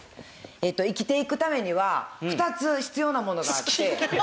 生きていくためには２つ必要なものがあって。